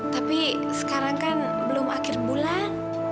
tapi sekarang kan belum akhir bulan